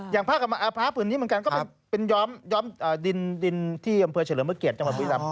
อย่างผ้าปืนนี้เหมือนกันก็เป็นย้อมดินที่กำเภอเฉลิมเมื่อเกียรติจังหวัดวิทยาลัมพ์